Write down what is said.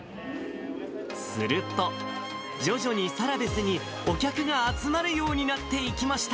すると、徐々にサラベスに、お客が集まるようになっていきました。